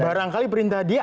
barangkali perintah dia